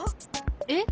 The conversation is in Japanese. えっ？